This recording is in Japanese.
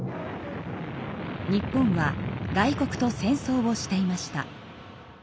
日本は外国と戦争をしていました。